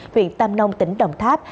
huyện tam nông tỉnh đồng tháp